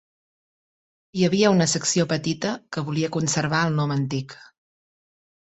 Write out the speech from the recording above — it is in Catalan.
Hi havia una secció petita que volia conservar el nom antic.